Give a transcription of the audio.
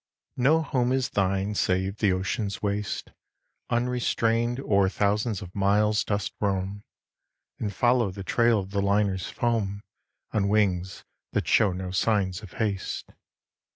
No home is thine save the ocean's waste; Unrestrained o'er thousands of miles dost roam; And follow the trail of the liners' foam On wings that show no signs of haste.